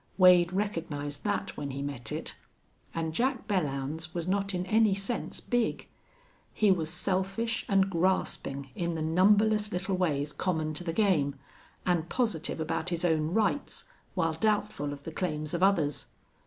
Wade recognized that when he met it. And Jack Belllounds was not in any sense big. He was selfish and grasping in the numberless little ways common to the game, and positive about his own rights, while doubtful of the claims of others.